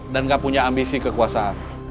gak punya ambisi kekuasaan